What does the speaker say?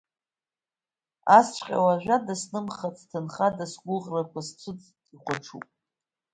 Асҵәҟьа уажәада, снымхацт ҭынхада, сгәыӷрақәа сцәыӡт, ихәаҽуп…